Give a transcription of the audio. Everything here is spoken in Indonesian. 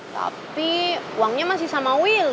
tapi uangnya masih sama will